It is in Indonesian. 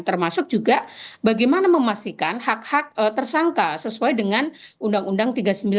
termasuk juga bagaimana memastikan hak hak tersangka sesuai dengan undang undang tiga puluh sembilan